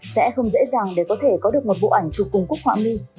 sẽ không dễ dàng để có thể có được một vụ ảnh chụp cùng cúc họa mi